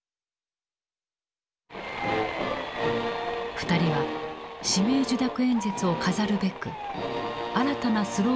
２人は指名受諾演説を飾るべく新たなスローガンを生み出した。